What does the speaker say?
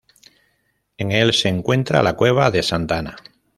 En el se encuentra la Cueva de Santa Ana.